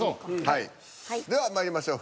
はいではまいりましょう。